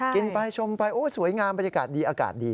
กินไปชมไปโอ๊ยสวยงามบริการดีอากาศดี